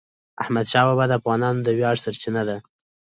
احمدشاه بابا د افغانانو د ویاړ سرچینه ده.